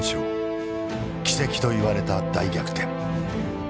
奇跡と言われた大逆転。